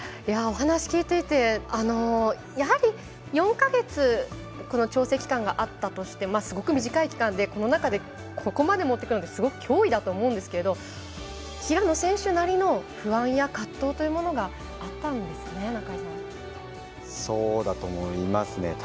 お話聞いていてやはり４か月この調整期間があったとしてすごく短い期間でこの中でここまでもっていくのすごく驚異だと思うんですけれど平野選手なりの不安や葛藤というものがそうだと思いますね。